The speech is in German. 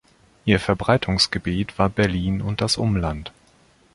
Ihr Verbreitungsgebiet war Berlin und das Umland.